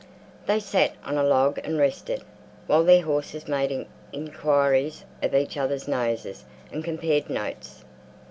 They sat on a log and rested, while their horses made inquiries of each other's noses, and compared notes.